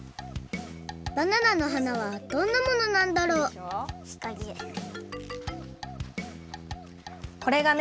バナナの花はどんなものなんだろうこれがね